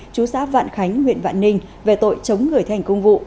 chú xã vạn khánh nguyện vạn ninh về tội chống người thành công vụ